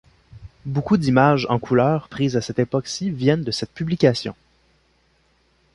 Beaucoup d'images en couleurs prises à cette époque-ci viennent de cette publication.